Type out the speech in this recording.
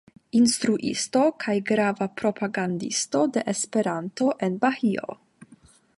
Instruisto kaj grava propagandisto de Esperanto en Bahio.